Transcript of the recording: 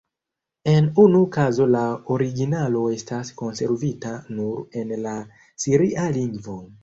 En unu kazo la originalo estas konservita nur en la siria lingvo.